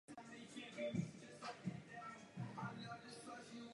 Několik z nich byly postaveny ve středověku nebo ještě dříve a jsou stále funkční.